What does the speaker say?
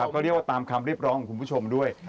ก็เรียกว่าตามคำเรียกร้องของคุณผู้ชมด้วย